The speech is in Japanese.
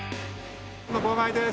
号外です